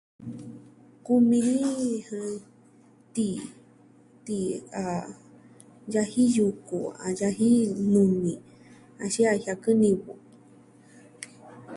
Kumi ni tii, tii a yaji yuku, a yaji nuni axin a jiakɨn nivɨ.